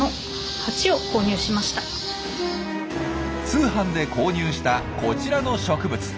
通販で購入したこちらの植物。